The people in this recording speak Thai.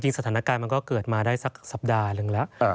สถานการณ์มันก็เกิดมาได้สักสัปดาห์หนึ่งแล้ว